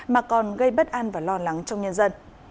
mà còn gây bất an và lo lắng trong nhân dân